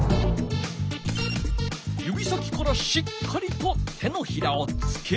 ゆび先からしっかりと手のひらをつける。